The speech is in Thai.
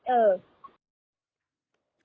เออ